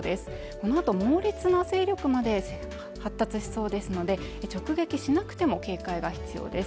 このあと猛烈な勢力まで発達しそうですので直撃しなくても警戒が必要です